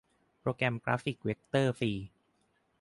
โปรแกรมกราฟิกเวกเตอร์ฟรี